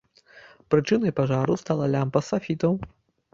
Прычынай пажару стала лямпа сафітаў.